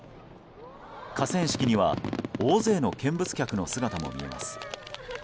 河川敷には大勢の見物客の姿も見えます。